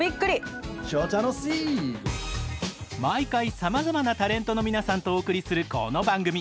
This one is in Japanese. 毎回さまざまなタレントの皆さんとお送りするこの番組。